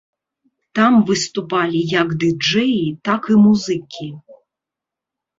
Там выступалі як ды-джэі, так і музыкі.